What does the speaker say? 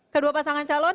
kedua pasangan calon